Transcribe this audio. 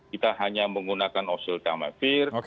kita hanya menggunakan oseltamivir